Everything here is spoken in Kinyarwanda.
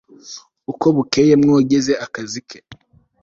uko bukeye mwogeze agakiza ke